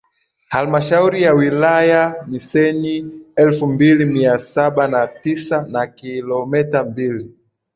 Halmashauri ya Wilaya Missenyi elfu mbili mia saba na tisa na kilometa mbili